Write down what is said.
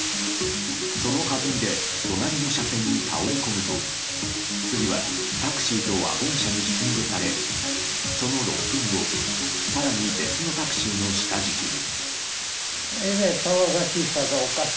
そのはずみで隣の車線に倒れ込むと次は、タクシーとワゴン車にひき逃げされその６分後更に別のタクシーの下敷きに。